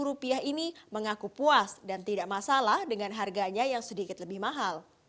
rp lima ini mengaku puas dan tidak masalah dengan harganya yang sedikit lebih mahal